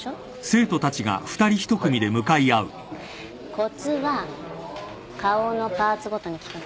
コツは顔のパーツごとに聞くの。